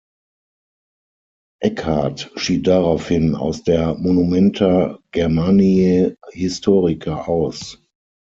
Eckhardt schied daraufhin aus der Monumenta Germaniae Historica aus.